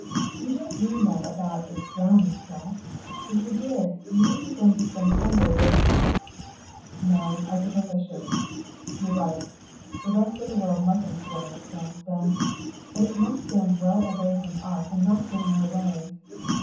You don't mean that about its drowning itself. If you did, you wouldn't be going to spend Sunday with " "No, I suppose I shouldn't. You're right. The rest of the world mustn't drown itself, then; but it must stand well away from us and not get in our way."